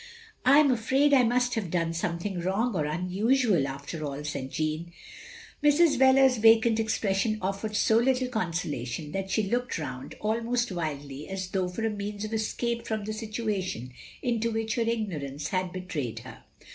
"I am afraid I must have done something wrong, or unusual, after aU, " said Jeanne. Mrs. Wheler's vacant expression offered so little consolation, that she looked round, almost wildly, as though for a means of escape from the situation into which her ignorance had betrayed her.